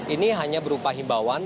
ini hanya berupa hibawan